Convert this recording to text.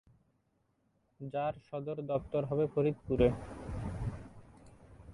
যার সদর দপ্তর হবে ফরিদপুর।